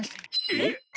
えっ！？